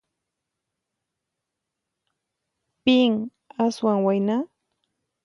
Pin aswan wayna?